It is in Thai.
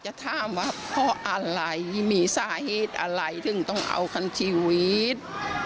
จะถามว่าเพราะอะไรมีสาเหตุอะไรถึงต้องเอาคันชีวิต